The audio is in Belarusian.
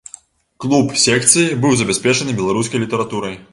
Клуб секцыі быў забяспечаны беларускай літаратурай.